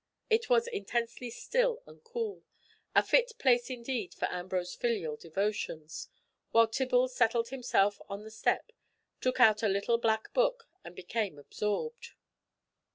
It was intensely still and cool, a fit place indeed for Ambrose's filial devotions, while Tibble settled himself on the step, took out a little black book, and became absorbed.